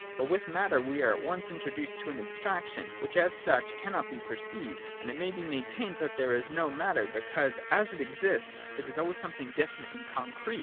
But with matter we are at once introduced to an abstraction, which as such cannot be perceived : and it may be maintained that there is no matter, because, as it exists, it is always something definite and concrete.